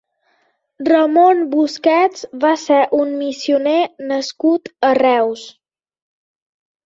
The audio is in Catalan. Ramon Busquets va ser un missioner nascut a Reus.